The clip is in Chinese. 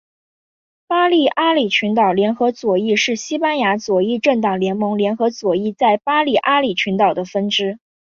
巴利阿里群岛联合左翼是西班牙左翼政党联盟联合左翼在巴利阿里群岛的分支。